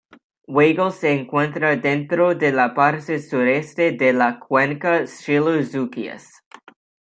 Weigel se encuentra dentro de la parte sureste de la Cuenca Schiller-Zucchius.